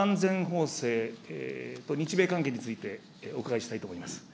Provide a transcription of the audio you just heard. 次に、平和安全法制と日米関係についてお伺いしたいと思います。